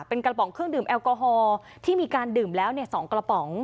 เป็นกระป๋องเครื่องดื่มแอลกอฮอล์ที่มีการดื่มแล้ว๒กระป๋อง